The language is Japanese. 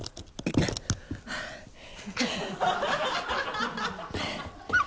ハハハ